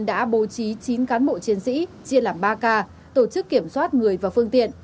đã bố trí chín cán bộ chiến sĩ chia làm ba k tổ chức kiểm soát người và phương tiện